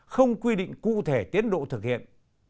không quy định cụ thể tiến độ thực hiện